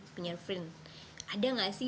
penyelfrin ada nggak sih